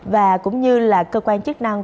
và cũng như là cơ quan chức năng